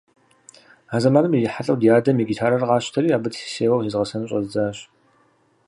А зэманым ирихьэлӀэу ди адэм и гитарэр къасщтэри, абы сеуэу зезгъэсэн щӀэздзащ.